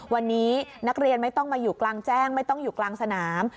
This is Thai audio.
วันนี้นักเรียนไม่ต้องมาอยู่กลางแจ้งไม่ต้องอยู่กลางสนาม